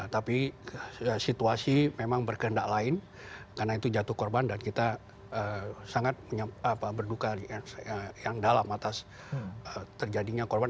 tapi situasi memang berkendak lain karena itu jatuh korban dan kita sangat berduka yang dalam atas terjadinya korban